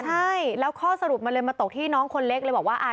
ใช่แล้วข้อสรุปมันเลยมาตกที่น้องคนเล็กเลยบอกว่า